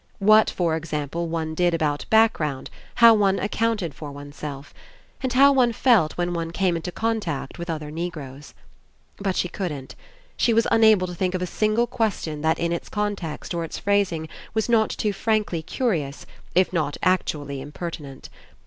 What, for example, one did about background, how one accounted for oneself. And how one felt when one came into contact with other Negroes. But she couldn't. She was unable to think of a single question that in its context or its phrasing was not too frankly cu rious, if not actually impertinent.